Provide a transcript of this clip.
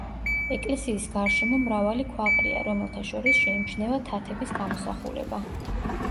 ეკლესიის გარშემო მრავალი ქვა ყრია, რომელთა შორის შეიმჩნევა თათების გამოსახულება.